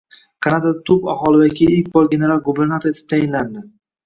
Kanadada tub aholi vakili ilk bor general-gubernator etib tayinlandi